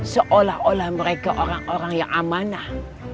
seolah olah mereka orang orang yang amanah